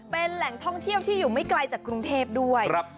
เป็นแหล่งท่องเที่ยวที่อยู่ไม่ไกลจากกรุงเทพด้วย